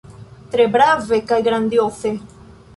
Tre brave kaj grandioze!